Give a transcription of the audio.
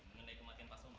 mengenai kematian pak soma